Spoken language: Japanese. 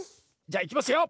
じゃあいきますよ！